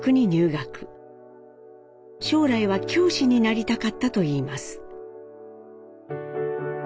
将来は教師になりたかったといいます。